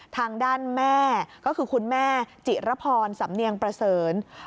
ทางด้านแม่ก็คือคุณแม่จิรพรสำเนียงประเสริญ